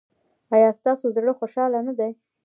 ایا ستاسو زړه خوشحاله نه دی؟